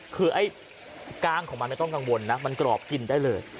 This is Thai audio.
คือไอ้กล้างของมันไม่ต้องกังวลนะมันกรอบกินได้เลย